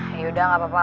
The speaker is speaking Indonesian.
ya udah gak apa apa abah